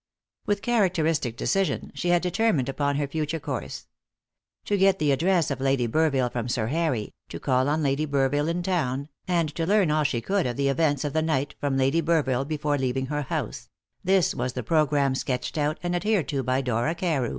With characteristic decision, she had determined upon her future course. To get the address of Lady Burville from Sir Harry, to call on Lady Burville in town, and to learn all she could of the events of the night from Lady Burville before leaving her house this was the programme sketched out and adhered to by Dora Carew.